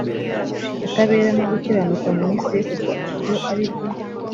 kutabera no gukiranuka mu isi kuko ibyo ari byo